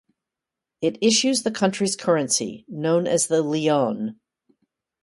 It issues the country's currency, known as the Leone.